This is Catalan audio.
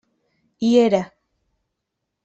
Hi era.